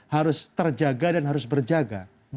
harus terjaga dan harus berjaga